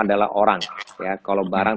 adalah orang ya kalau barang